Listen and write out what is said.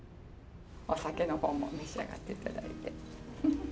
お酒の方も召し上がって頂いて。